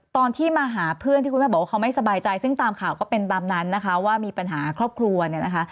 ตอนที่มาหาเพื่อนที่คุณแม่บอกว่าเขาไม่สบายใจซึ่งตามข่าวก็เป็นตามนั้นนะคะว่ามีปัญหาครอบครัวเนี่ยนะคะ